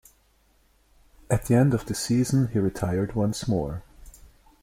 At the end of the season, he retired once more.